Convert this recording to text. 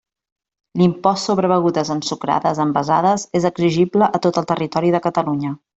L'impost sobre begudes ensucrades envasades és exigible a tot el territori de Catalunya.